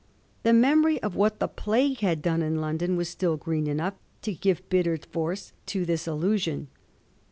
The memory of what the Plague had done in London was still green enough to give bitter force to this allusion.